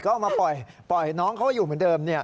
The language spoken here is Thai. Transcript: ก็เอามาปล่อยน้องเขาอยู่เหมือนเดิม